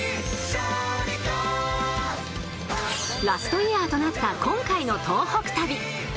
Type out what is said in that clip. ラストイヤーとなった今回の東北旅。